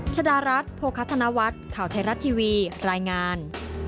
ชดารัฐโภคธนวัฒน์ข่าวไทยรัฐทีวีรายงาน